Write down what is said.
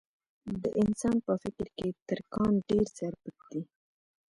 د انسان په فکر کې تر کان ډېر زر پټ دي.